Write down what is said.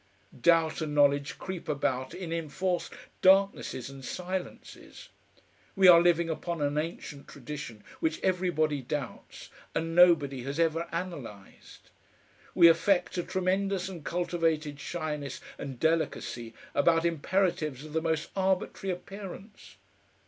Doubt and knowledge creep about in enforced darknesses and silences. We are living upon an ancient tradition which everybody doubts and nobody has ever analysed. We affect a tremendous and cultivated shyness and delicacy about imperatives of the most arbitrary appearance.